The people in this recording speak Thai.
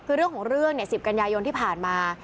คือเรื่องของเรื่องเนี่ยสิบกัญญายนที่ผ่านมา